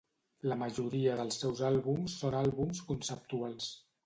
La majoria dels seus àlbums són àlbums conceptuals.